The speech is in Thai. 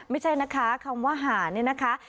ไม่ใช่นะคะคำว่าหานี่นะคะ